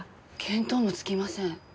見当もつきません。